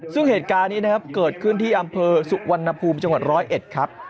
ส่วนการณ์นี้นะครับเกิดขึ้นที่อำเภอสุกวันนพูมจังหวัด๑๐๑ครับ